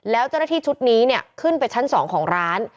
แล้วเจ้าหน้าที่ชุดนี้เนี่ยขึ้นไปชั้น๒ของร้าน